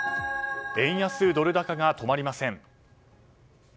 円安ドル高が止まりません。